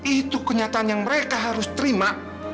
itu kenyataan yang mereka harus terima